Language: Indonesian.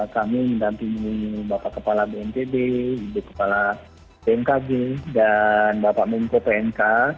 kami mendampingi bapak kepala bnpb ibu kepala bnkg dan bapak menteri pnk